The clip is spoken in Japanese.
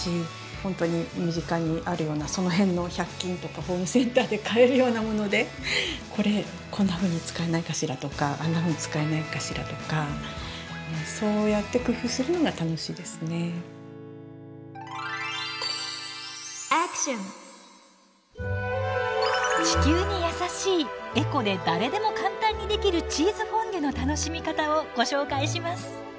本当に身近にあるようなその辺の１００均とかホームセンターで買えるようなものでこれこんなふうに使えないかしらとかあんなふうに使えないかしらとかそうやって地球にやさしいエコで誰でも簡単にできるチーズフォンデュの楽しみ方をご紹介します。